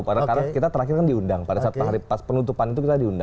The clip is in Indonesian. karena kita terakhir kan diundang pada saat penutupan itu kita diundang